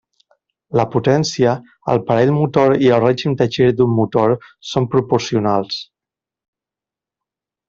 La potència, el parell motor i el règim de gir d’un motor són proporcionals.